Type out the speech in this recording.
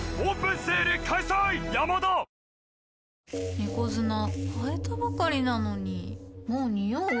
猫砂替えたばかりなのにもうニオう？